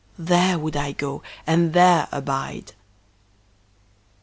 There would I go and there abide."